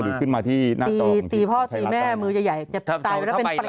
หรือขึ้นมาที่หน้าตองที่ไทยละตองตีพ่อตีแม่มือใหญ่จะตายแล้วเป็นเปรต